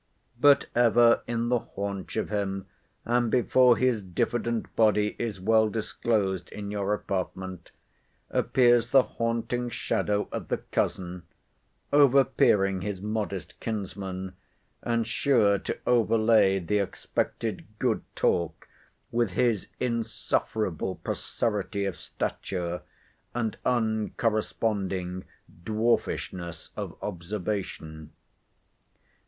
—but, ever in the haunch of him, and before his diffident body is well disclosed in your apartment, appears the haunting shadow of the cousin, over peering his modest kinsman, and sure to over lay the expected good talk with his insufferable procerity of stature, and uncorresponding dwarfishness of observation.